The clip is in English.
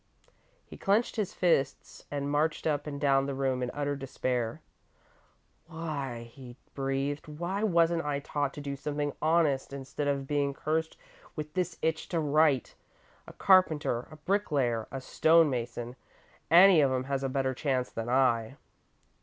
He clenched his fists and marched up and down the room in utter despair. "Why," he breathed, "why wasn't I taught to do something honest, instead of being cursed with this itch to write? A carpenter, a bricklayer, a stone mason, any one of 'em has a better chance than I!"